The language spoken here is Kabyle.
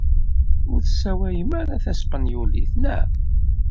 Ur tessawalem ara taspenyulit, naɣ?